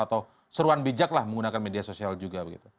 atau seruan bijaklah menggunakan media sosial juga begitu